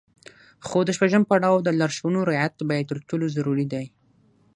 خو د شپږم پړاو د لارښوونو رعايت بيا تر ټولو ضروري دی.